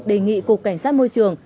đề nghị cục cảnh sát môi trường